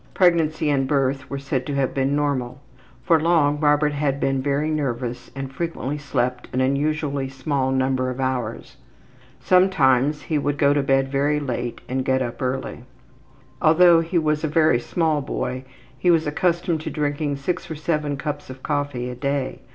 Pregnancy and birth were said to have been normal. For long, Robert had been very nervous and frequently slept an unusually small number of hours. Sometimes he would go to bed very late and get up early. Although he was a very small boy he was accustomed to drinking six or seven cups of coffee a day.